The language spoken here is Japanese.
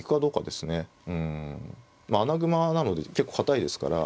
まあ穴熊なので結構堅いですから。